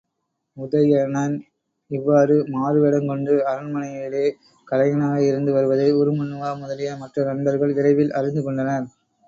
உதயணன் இவ்வாறு மாறுவேடங்கொண்டு அரண்மனையிலே கலைஞனாக இருந்து வருவதை உருமண்ணுவா முதலிய மற்ற நண்பர்கள் விரைவில் அறிந்துகொண்டனர்.